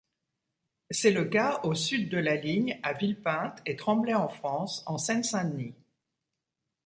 C'est le cas au sud de la ligne à Villepinte et Tremblay-en-France en Seine-Saint-Denis.